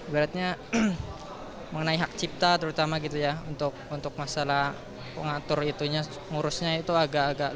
berarti mengenai hak cipta terutama gitu ya untuk untuk masalah pengatur itunya ngurusnya itu agak agak